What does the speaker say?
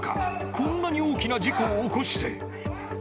こんなに大きな事故を起こして。